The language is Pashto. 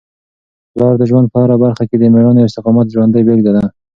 پلار د ژوند په هره برخه کي د مېړانې او استقامت ژوندۍ بېلګه ده.